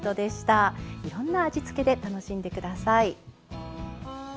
いろんな味付けで楽しんでください。